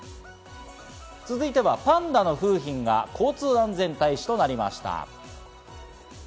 続いては、パンダの楓浜が交通安全大使となりました。